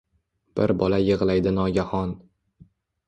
Bir bola yig’laydi nogahon…